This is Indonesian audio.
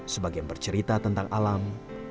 sebagian bercerita tentang alam